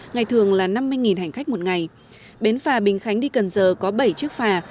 ngày thường là năm mươi hành khách một ngày bến phà bình khánh đi cần giờ có bảy chiếc phà